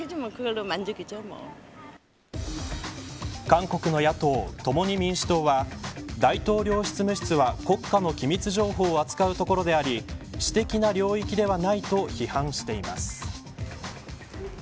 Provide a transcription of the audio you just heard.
韓国の野党共に民主党は大統領執務室は国家の機密情報を扱うところであり私的な領域ではないと批判しています。